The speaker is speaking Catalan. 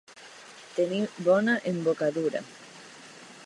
Tenir bona embocadura.